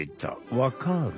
わかる？